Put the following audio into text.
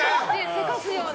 せかすような。